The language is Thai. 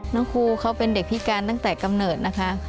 น้องครูเขาเป็นเด็กพิการตั้งแต่กำเนิดนะคะ